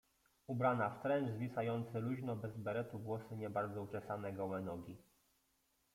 Ubrana w trencz, zwisający luźno, bez beretu, włosy nie bardzo uczesane, gołe nogi.